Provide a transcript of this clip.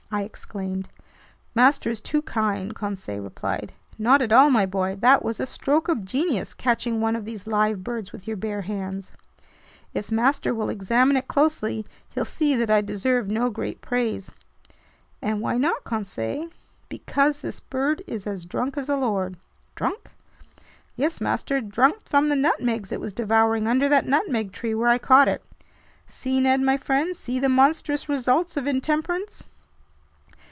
I exclaimed. "Master is too kind," Conseil replied. "Not at all, my boy. That was a stroke of genius, catching one of these live birds with your bare hands!" "If master will examine it closely, he'll see that I deserve no great praise." "And why not, Conseil?" "Because this bird is as drunk as a lord." "Drunk?" "Yes, master, drunk from the nutmegs it was devouring under that nutmeg tree where I caught it. See, Ned my friend, see the monstrous results of intemperance!"